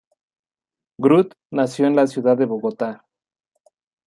Groot nació en la ciudad de Bogotá.